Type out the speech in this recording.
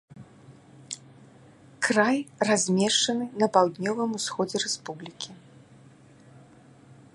Край размешчаны на паўднёвым усходзе рэспублікі.